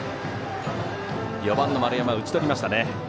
４番の丸山、打ち取りましたね。